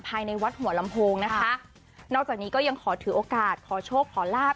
ภายในวัดหัวลำโพงนะคะนอกจากนี้ก็ยังขอถือโอกาสขอโชคขอลาบ